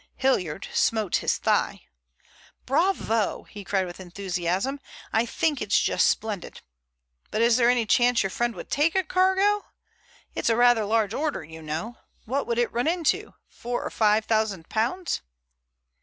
Hilliard smote his thigh. "Bravo!" he cried with enthusiasm. "I think it's just splendid. But is there any chance your friend would take a cargo? It's rather a large order, you know. What would it run into? Four or five thousand pounds?"